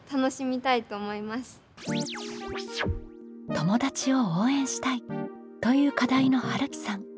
「友達を応援したい」という課題のはるきさん。